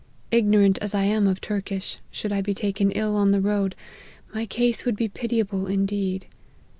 Ignorant as I am of Turkish, should I be taken ill on the road, my case would be pitiable indeed.